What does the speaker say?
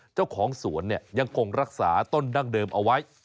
เจ้าของสวนยังคงรักษาต้นดั้งเดิมเอาไว้